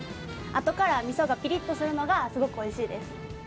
あとからみそがピリッとするのがすごくおいしいです。